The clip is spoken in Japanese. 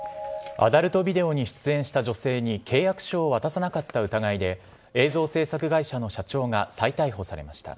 アダルトビデオに出演した女性に契約書を渡さなかった疑いで、映像制作会社の社長が再逮捕されました。